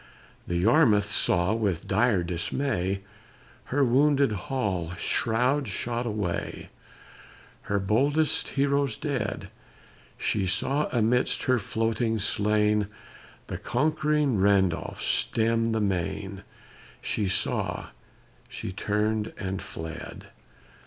The Yarmouth saw, with dire dismay, Her wounded hull, shrouds shot away, Her boldest heroes dead She saw amidst her floating slain The conquering Randolph stem the main She saw, she turned, and fled!